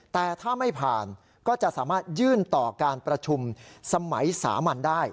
แต่ถ้าไม่ผ่านก็จะสามารถยื่นต่อการประชุมสมัยสามัญได้